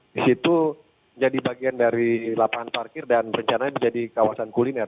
di situ jadi bagian dari lapangan parkir dan rencana menjadi kawasan kuliner